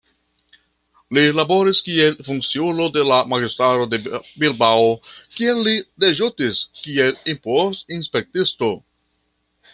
Li laboris kiel funkciulo de la magistrato de Bilbao, kie li deĵoris kiel impost-inspektisto.